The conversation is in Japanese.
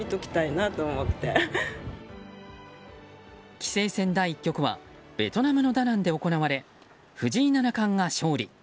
棋聖戦第１局はベトナムのダナンで行われ藤井七冠が勝利。